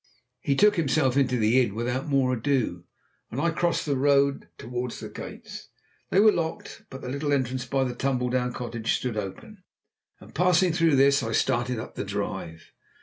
He took himself into the inn without more ado, and I crossed the road towards the gates. They were locked, but the little entrance by the tumble down cottage stood open, and passing through this I started up the drive.